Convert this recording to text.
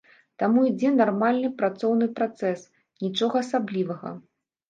Таму ідзе нармальны працоўны працэс, нічога асаблівага.